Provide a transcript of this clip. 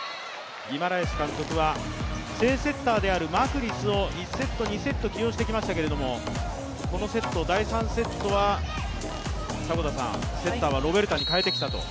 ギマラエス監督は正セッターであるマクリスを１セット、２セット、起用してきましたけれどもこの第３セットはセッターはロベルタに代えてきたと。